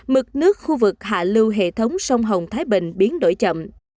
mực nước khu vực hạ lưu hệ thống sông hồng thái bình biến đổi chậm